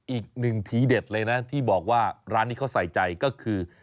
อีกหนึ่งทีเด็ดเลยนะที่บอกว่าร้านนี้เขาใส่ใจก็คือ